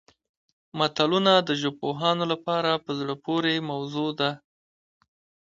متلونه د ژبپوهانو لپاره په زړه پورې موضوع ده